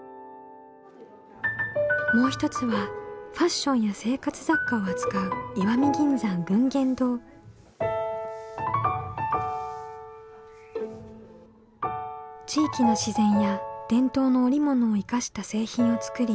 もう一つはファッションや生活雑貨を扱う地域の自然や伝統の織物を生かした製品を作り